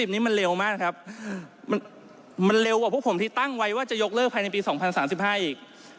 นี้มันเร็วมากครับมันเร็วกว่าพวกผมที่ตั้งไว้ว่าจะยกเลิกภายในปี๒๐๓๕อีก